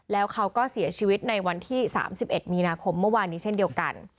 แล้วเขาก็เสียชีวิตในวันที่๓๑มีนาคมเมื่อวานนี้เช่นเดียวกัน